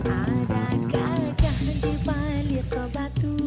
ada gajahnya dibalir ke batu